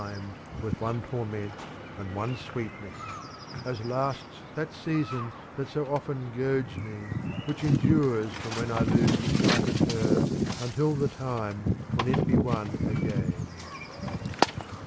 THE COMPLEMENT OF ODES 393 me with one torment and with one sweetness, as lasts that season that so often goads me which endures from when I lose the sight of her until the time when it be won again.